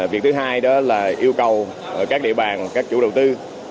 việc thứ hai đó là yêu cầu các địa bàn các chủ đầu tư